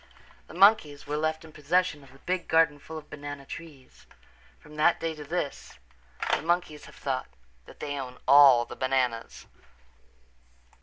The monkeys were left in possession of the big garden full of banana trees. From that day to this the monkeys have thought that they own all the bananas.